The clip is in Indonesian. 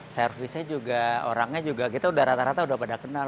servisnya juga orangnya juga kita udah rata rata udah pada kenal